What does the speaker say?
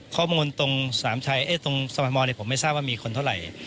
ข้อมูลตรงสนามชัยเอ๊ะตรงสะพานมอนเนี่ยผมไม่ทราบว่ามีคนเท่าไหร่